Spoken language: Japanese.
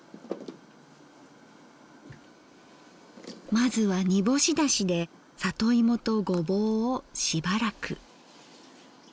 まずは煮干しだしで里芋とごぼうをしばらく。